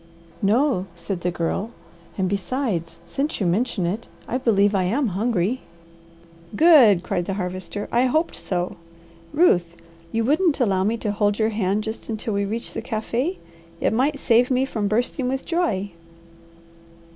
"No," said the Girl, "and besides, since you mention it, I believe I am hungry." "Good!" cried the Harvester. "I hoped so! Ruth, you wouldn't allow me to hold your hand just until we reach the cafe'? It might save me from bursting with joy."